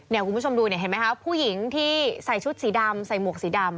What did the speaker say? คุณผู้ชมดูเนี่ยเห็นไหมคะผู้หญิงที่ใส่ชุดสีดำใส่หมวกสีดำ